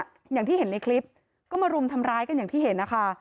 อย่างที่เห็นในคลิปก็มารุมทำร้ายกันอย่างที่เห็นนะคะ